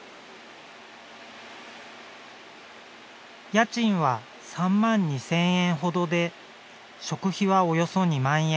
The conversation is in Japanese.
家賃は３万２０００円ほどで食費はおよそ２万円。